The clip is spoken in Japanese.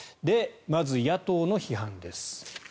まず、野党の批判です。